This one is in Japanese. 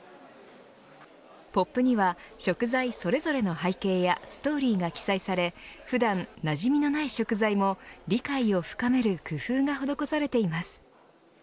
ポップには食材それぞれの背景やストーリーが記載され普段なじみのない食材も理解を深める工夫が施されています。